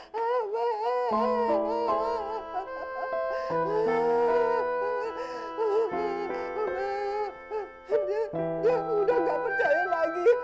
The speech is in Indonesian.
dia udah gak percaya lagi